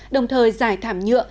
đồng thời giải thảm nhựa